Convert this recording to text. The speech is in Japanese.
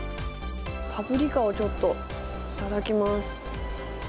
パプリカをちょっと、いただきます。